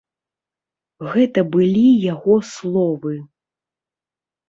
Гэта былі яго словы.